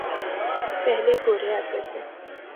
پہلے گورے آتے تھے۔